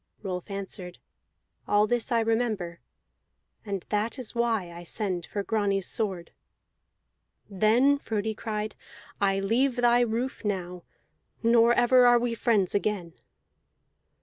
Rolf answered: "All this I remember, and that is why I send for Grani's sword." "Then," Frodi cried, "I leave thy roof now, nor ever are we friends again!"